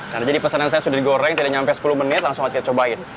nah jadi pesanan saya sudah digoreng tidak sampai sepuluh menit langsung kita cobain